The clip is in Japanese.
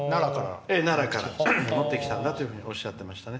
奈良から持ってきたんだとおっしゃっていました。